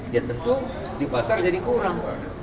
ya tentu di pasar jadi kurang